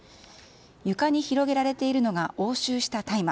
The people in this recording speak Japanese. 床に広げられているのが押収した大麻。